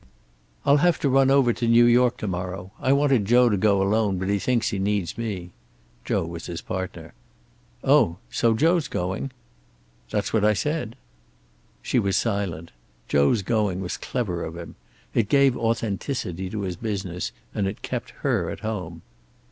"I'll have to run over to New York to morrow. I wanted Joe to go alone, but he thinks he needs me." Joe was his partner. "Oh. So Joe's going?" "That's what I said." She was silent. Joe's going was clever of him. It gave authenticity to his business, and it kept her at home.